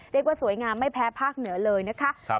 เรียกว่าสวยงามไม่แพ้ภาคเหนือเลยนะคะ